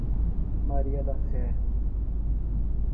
Maria da Fé